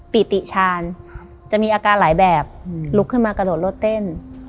ปิติชาญจะมีอาการหลายแบบลุกขึ้นมากระโดดรถเต้น